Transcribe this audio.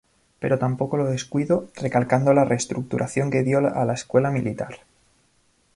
Pero tampoco lo descuido, recalcando la reestructuración que dio a la Escuela Militar.